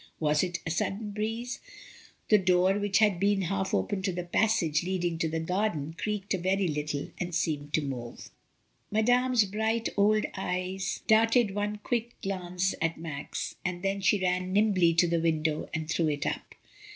Was it a sudden breeze? The door which had been half open to the passage leading to the garden creaked a very little and seemed to move. Madame's bright old eyes darted one quick glance at Max, and then she ran nimbly to the window and threw it up.